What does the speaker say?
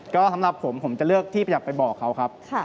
ก็สำหรับผมผมจะเลือกที่อยากไปบอกเขาครับ